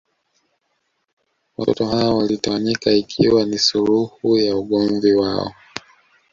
Watoto hawa walitawanyika ikiwa ni suluhu ya ugomvi wao